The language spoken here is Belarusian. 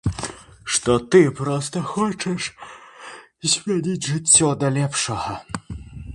Што ты проста хочаш змяніць жыццё да лепшага.